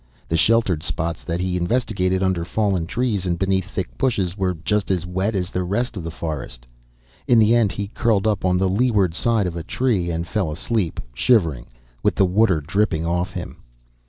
The sheltered spots that he investigated, under fallen trees and beneath thick bushes, were just as wet as the rest of the forest. In the end he curled up on the leeward side of a tree, and fell asleep, shivering, with the water dripping off him.